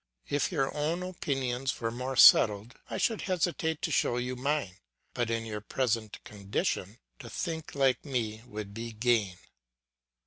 If your own opinions were more settled I should hesitate to show you mine; but in your present condition, to think like me would be gain.